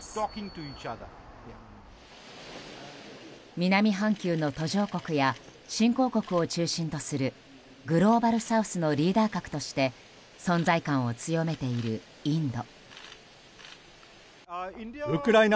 南半球の途上国や新興国を中心とするグローバルサウスのリーダー格として存在感を強めているインド。